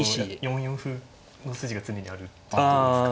４四歩の筋が常にあるってことですか。